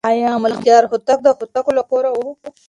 آیا ملکیار هوتک د هوتکو له کوره و؟